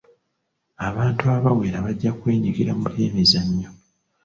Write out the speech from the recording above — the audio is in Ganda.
Abantu abawera bajja kwenyigira mu byemizannyo.